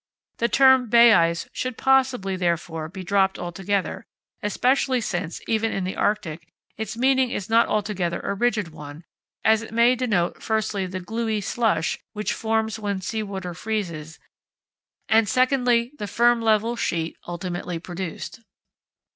The term bay ice should possibly, therefore, be dropped altogether, especially since, even in the Arctic, its meaning is not altogether a rigid one, as it may denote firstly the gluey "slush," which forms when sea water freezes, and secondly the firm level sheet ultimately produced.